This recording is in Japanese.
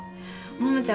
桃ちゃん